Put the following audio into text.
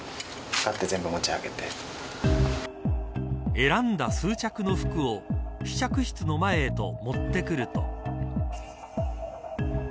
選んだ数着の服を試着室の前へと持ってくると。